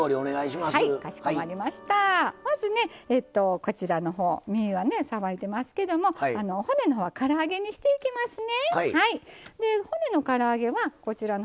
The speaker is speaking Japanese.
まずね、こちらのほうにはさばきますけども、骨のほうはから揚げにしていきますね。